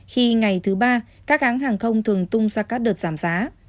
khi ngày thứ ba các hãng hàng không thường tung ra các đợt giảm giá